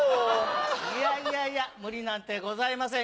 いやいやいや無理なんてございません。